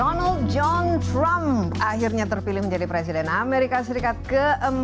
donald john trump akhirnya terpilih menjadi presiden amerika serikat ke empat